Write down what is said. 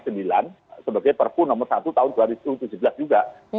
sebagai perpu nomor satu tahun dua ribu tujuh belas juga